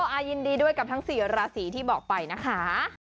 ยินดีด้วยกับทั้ง๔ราศีที่บอกไปนะคะ